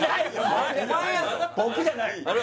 僕じゃないお前？